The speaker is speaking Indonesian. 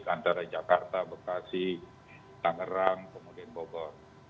antara jakarta bekasi tangerang kemudian bogor